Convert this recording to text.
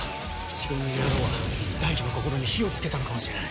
白塗り野郎は大樹の心に火を付けたのかもしれない。